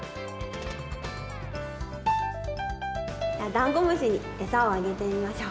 ダンゴムシにエサをあげてみましょう。